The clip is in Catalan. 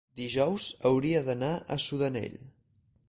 dijous hauria d'anar a Sudanell.